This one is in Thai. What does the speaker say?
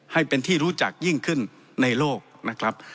ให้เป็นที่รู้จักยิ่งขึ้นในโลกนะครับ